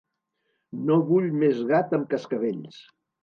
No vull més gat amb cascavells.